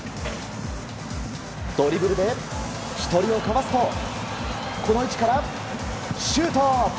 ドリブルで１人をかわすとこの位置からシュート！